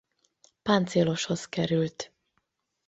Páncéloshoz került.